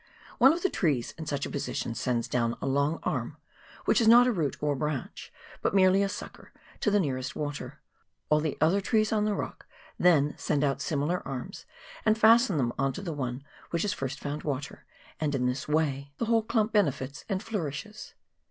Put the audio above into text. One of the trees in such a position sends down a long arm, which is not a root or branch, but merely a sucker, to the nearest water ; all the other trees on the rock then send out similar arms and fasten them on to the one which has first found water, and in this way the whole COOK RIVER JklAIN BRANCH. 131 clump benefits and flourislies.